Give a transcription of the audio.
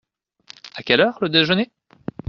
À quelle heure le déjeuner ?